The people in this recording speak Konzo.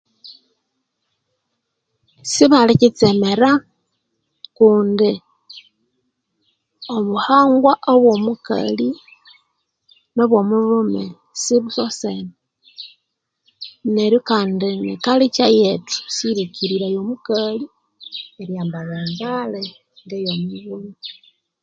Sibalikitsemera kundi obuhangwa obwomukali nomulhume sibusosene neryo Kandi ekalicha yethu siyirikiriraya omukali eryambalha embale eyomulhume